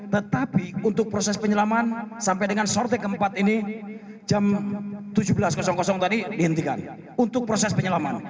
tetapi untuk proses penyelaman sampai dengan sorti keempat ini jam tujuh belas tadi dihentikan untuk proses penyelaman